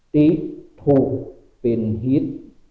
ตี้ถูกเป็นฮิต